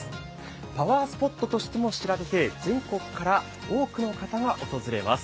パワースポットとしても知られて全国から多くの方が訪れます。